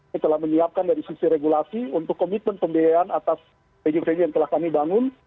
kami telah menyiapkan dari sisi regulasi untuk komitmen pemberian atas femi femi yang telah kami bangun